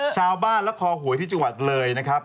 ชาวบ้านและคอหวยที่จักรวรรดิเลยนะครับ